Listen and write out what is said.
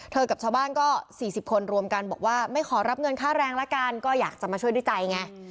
กับชาวบ้านก็๔๐คนรวมกันบอกว่าไม่ขอรับเงินค่าแรงละกันก็อยากจะมาช่วยด้วยใจไง